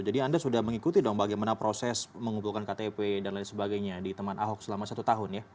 jadi anda sudah mengikuti dong bagaimana proses mengumpulkan ktp dan lain sebagainya di teman ahok selama satu tahun ya